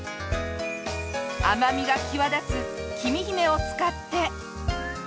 甘みが際立つきみひめを使って。